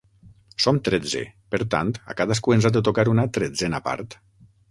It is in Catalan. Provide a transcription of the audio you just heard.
Som tretze; per tant, a cadascú ens ha de tocar una tretzena part.